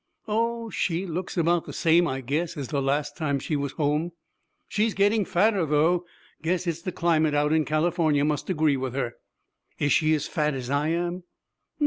'Oh, she looks about the same, I guess, as the last time she was home. She's getting fatter, though. Guess the climate out in California must agree with her.' 'Is she as fat as I am?'